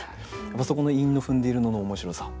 そこの韻の踏んでいるのの面白さ。